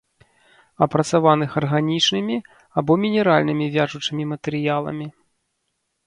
Апрацаваных арганічнымі або мінеральнымі вяжучымі матэрыяламі